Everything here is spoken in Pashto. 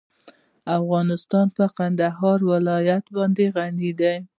افغانستان په کندهار ولایت باندې غني دی.